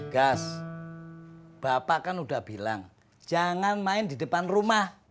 gas bapak kan udah bilang jangan main di depan rumah